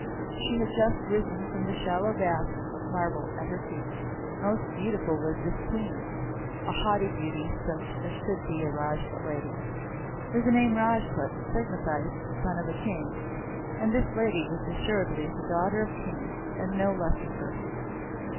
She had just risen from the shallow bath of marble at her feet. Most beautiful was this Queen, a haughty beauty such as should be a Rajput lady; for the name "Rajput" signifies Son of a King, and this lady was assuredly the daughter of Kings and of no lesser persons.